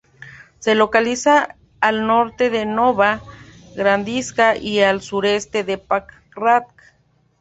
Se localiza al norte de Nova Gradiška y al sureste de Pakrac.